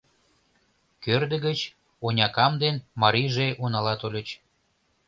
Кӧрдӧ гыч онякам ден марийже унала тольыч.